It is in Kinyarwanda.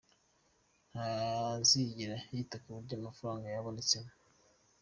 Nta zigera yita ku buryo amafaranga yabonetsemo.